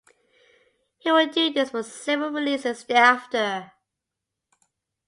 He would do this for several releases thereafter.